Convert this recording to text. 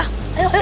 itu mr ya